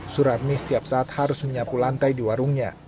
suratmi setiap saat harus menyapu lantai di warungnya